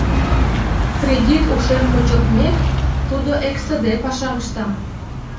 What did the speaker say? Кредит ушем почылтмек, тудо эксыде пашам ышта.